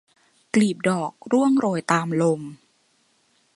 กลีบดอกร่วงโรยตามลม